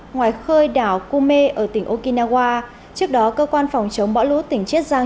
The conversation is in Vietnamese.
ngoài khơi đảo kume ở tỉnh okinawa trước đó cơ quan phòng chống bão lũ tỉnh chiết giang